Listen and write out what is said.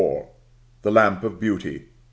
THE LAMP OF BEAUTY. I.